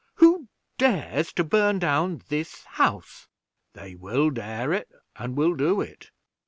Who dares to burn down this house?" "They will dare it, and will do it."